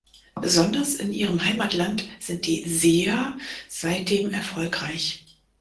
Besonders in ihrem Heimatland sind die "Seer" seitdem erfolgreich.